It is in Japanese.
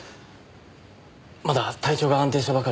まだ体調が安定したばかりなんです。